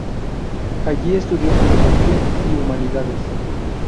Allí estudió Filosofía y Humanidades.